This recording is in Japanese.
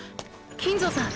金城さん